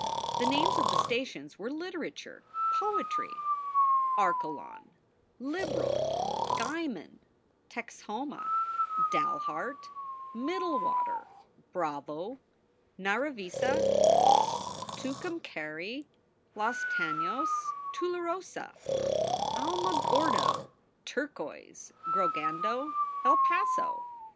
The names of the stations were literature, poetry Arkalon, Liberal, Guyman, Texhoma, Dalhart, Middle water, Bravo, Naravisa, Tucumcari, Los Tanos, Tularosa, Alamogordo, Turquoise, Grogrando, El Paso.